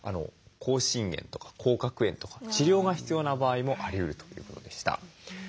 口唇炎とか口角炎とか治療が必要な場合もありうるということでした。